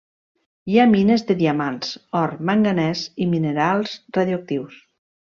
Hi ha mines de diamants, or, manganès i minerals radioactius.